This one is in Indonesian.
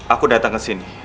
aku datang kesini